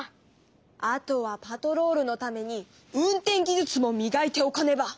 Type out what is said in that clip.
あとはパトロールのために運転技術もみがいておかねば！